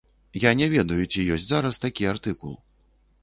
Я не ведаю, ці ёсць зараз такі артыкул.